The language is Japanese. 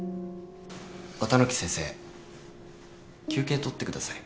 綿貫先生休憩取ってください。